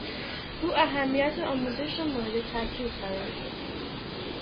او اهمیت آموزش را مورد تاءکید قرار داد.